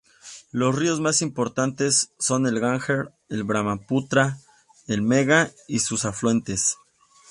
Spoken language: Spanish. Los ríos más importantes son el Ganges, el Brahmaputra, el Meghna y sus afluentes.